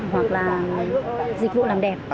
hoặc là dịch vụ làm đẹp